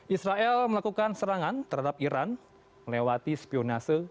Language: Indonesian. israel melakukan serangan terhadap iran melewati spionase